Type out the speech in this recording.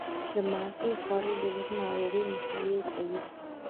د مالټې خوړل د زړه د ناروغیو مخنیوی کوي.